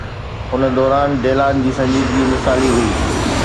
ان دوران، ڊيلان جي سنجيدگي مثالي هئي.